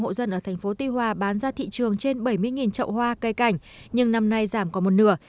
hộ dân ở thành phố tuy hòa bán ra thị trường trên bảy mươi trậu hoa cây cảnh nhưng năm nay giảm có một nửa